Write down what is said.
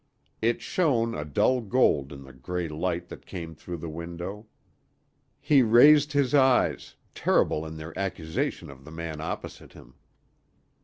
It shone a dull gold in the gray light that came through the window. He raised his eyes, terrible in their accusation of the man opposite him.